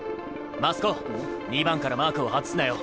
２番からマークを外すなよ。